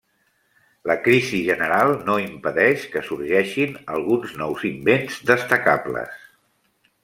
La crisi general no impedeix que sorgeixin alguns nous invents destacables.